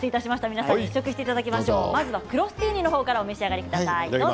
皆さんに試食していただきましょうまずはクロスティーニの方からお召し上がりください。